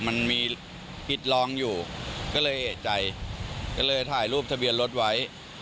มันมีพิษร้องอยู่ก็เลยเอกใจก็เลยถ่ายรูปทะเบียนรถไว้